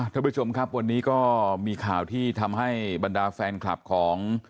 ท่านผู้ชมครับวันนี้ก็มีข่าวที่ทำให้บรรดาแฟนคลับของ